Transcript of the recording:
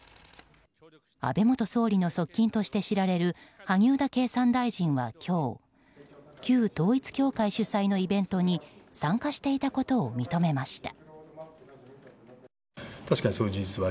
安倍元総理の側近として知られる萩生田経産大臣は今日旧統一教会主催のイベントに参加していたことを認めました。